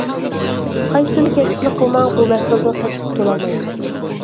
قايسىلا كەسىپنى قىلماڭ بۇ مەسىلىدىن قېچىپ قۇتۇلالمايمىز.